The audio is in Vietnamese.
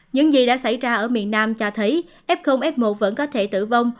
những gì đã xảy ra ở miền nam cho thấy f f một vẫn có thể tử vong